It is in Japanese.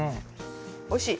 おいしい。